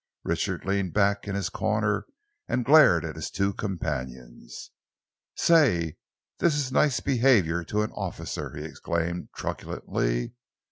Richard leaned back in his corner and glared at his two companions. "Say, this is nice behaviour to an officer!" he exclaimed truculently.